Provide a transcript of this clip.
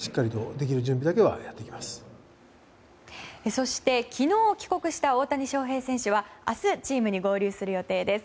そして、昨日帰国した大谷翔平選手は明日、チームに合流する予定です。